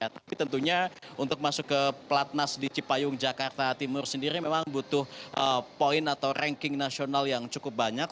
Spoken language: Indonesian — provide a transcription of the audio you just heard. tapi tentunya untuk masuk ke pelatnas di cipayung jakarta timur sendiri memang butuh poin atau ranking nasional yang cukup banyak